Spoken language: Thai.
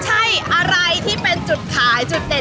ใช่อะไรที่เป็นจุดขายจุดเด่น